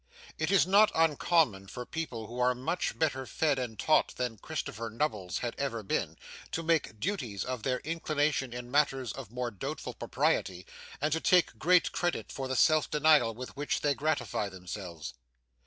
It is not uncommon for people who are much better fed and taught than Christopher Nubbles had ever been, to make duties of their inclinations in matters of more doubtful propriety, and to take great credit for the self denial with which they gratify themselves.